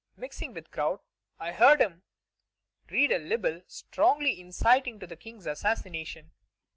Mixing with the crowd, I heard him read a libel strongly inciting to the King's assassination.